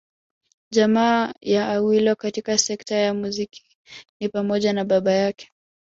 Jamaa ya Awilo katika sekta ya muziki ni pamoja na baba yake